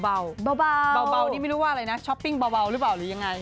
เบานี่ไม่รู้ว่าอะไรนะช้อปปิ้งเบาหรือเปล่าหรือยังไง